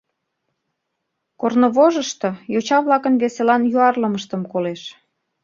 Корнывожышто йоча-влакын веселан юарлымыштым колеш.